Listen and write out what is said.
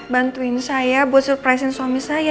bantuin saya buat surprise suami saya